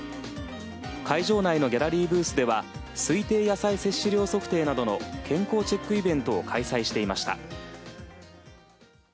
会場内のギャラリーブースでは推定野菜摂取量測定などの健康チェックイベントを開催していました。